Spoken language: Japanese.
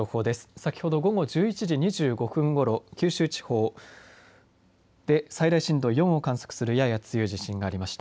先ほど午後１１時２５分ごろ九州地方で最大震度４を観測するやや強い地震がありました。